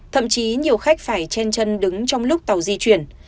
thậm chí nhiều khách phải trên chân đứng trong lúc tàu di chuyển